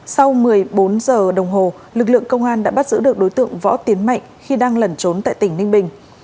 sau một mươi bốn giờ đồng hồ lực lượng công an đã bắt giữ được đối tượng võ tiến mạnh khi đang lẩn trốn tại tỉnh ninh bình